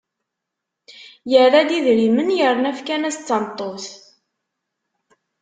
Yerra-d idrimen yerna fkan-as-d tameṭṭut.